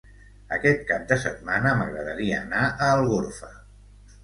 Aquest cap de setmana m'agradaria anar a Algorfa.